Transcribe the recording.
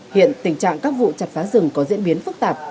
hiện tình trạng các vụ chặt phá rừng có diễn biến phức tạp